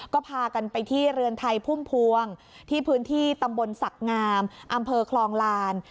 ก็พากันไปที่เรือนไทยพุ่มพวงที่พื้นที่ตำบลศักดิ์งามอำเภอคลองลาน